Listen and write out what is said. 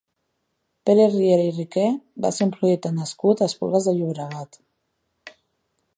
Pere Riera i Riquer va ser un poeta nascut a Esplugues de Llobregat.